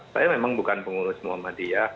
saya memang bukan pengurus muhammadiyah